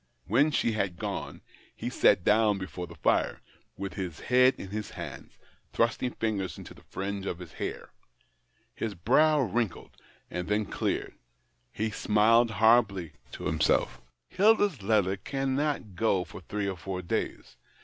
When she had gone, he sat down before the fire, with his head in his hands, thrusting fingers into the fringe of hair. His brow wrinkled, and then cleared ; he smiled horribly to himself " Hilda's letter cannot go for three or four days.